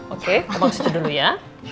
oke aku baksitu dulu ya